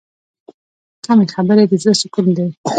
کمې خبرې، د زړه سکون دی.